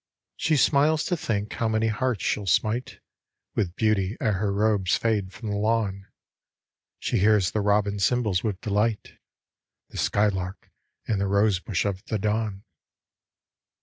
She smiles to think how many hearts she'll smite With beauty ere her robes fade from the lawn. She hears the robin's cymbals with delight, The skylark in the rosebush of the dawn.